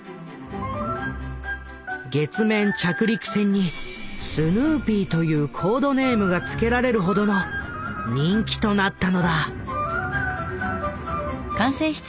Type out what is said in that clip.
月面着陸船に「スヌーピー」というコードネームがつけられるほどの人気となったのだ。